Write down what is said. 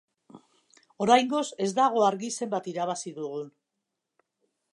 Oraingoz ez dago argi zenbat irabazi dugun.